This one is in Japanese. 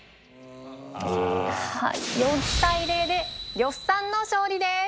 ４対０で呂布さんの勝利です。